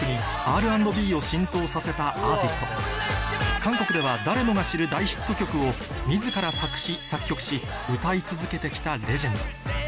韓国では誰もが知る大ヒット曲を自ら作詞作曲し歌い続けて来たレジェンド